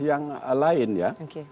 yang lain ya